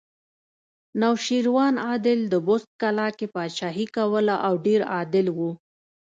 نوشیروان عادل د بست کلا کې پاچاهي کوله او ډېر عادل و